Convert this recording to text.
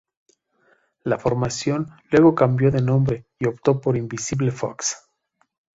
La formación luego cambió de nombre y optó por Invisible Foxx.